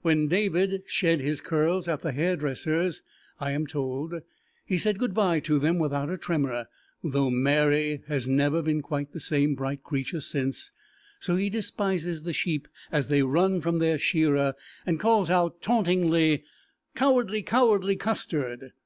When David shed his curls at the hair dresser's, I am told, he said good bye to them without a tremor, though Mary has never been quite the same bright creature since, so he despises the sheep as they run from their shearer and calls out tauntingly, "Cowardy, cowardy custard!"